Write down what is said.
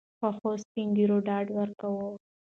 پخوسپین ږیرو ډاډ ورکاوه.